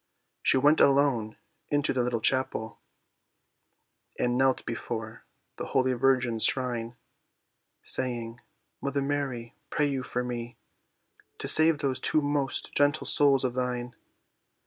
She went alone into the little chapel, And knelt before the holy virgin's shrine, Saying, "Mother Mary, pray you for me, To save those two most gentle souls of thine."